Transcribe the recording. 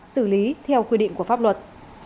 xử lý theo quy định của pháp luật